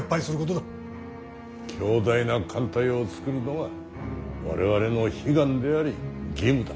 強大な艦隊を造るのは我々の悲願であり義務だ。